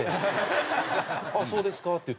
「ああそうですか」って言って。